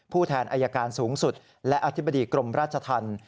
แทนอายการสูงสุดและอธิบดีกรมราชธรรม